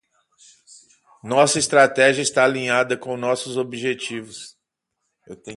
Nossa estratégia está alinhada com nossos objetivos.